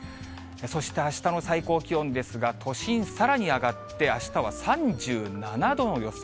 そしてあしたの最高気温ですが、都心さらに上がって、あしたは３７度の予想。